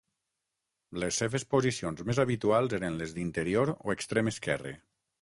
Les seves posicions més habituals eren les d'interior o extrem esquerre.